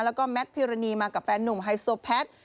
แล้วก็แมทพิรณีมากับแฟนหนุ่มไฮโซแพทย์